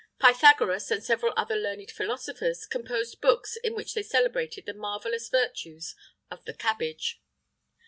Pythagoras, and several other learned philosophers, composed books in which they celebrated the marvellous virtues of the cabbage.